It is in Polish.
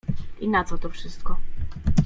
"I na co to wszystko?"